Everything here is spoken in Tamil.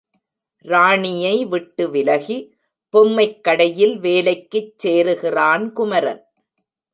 ராணியைவிட்டு விலகி, பொம்மைக் கடையில் வேலைக்குச் சேருகிறான் குமரன்.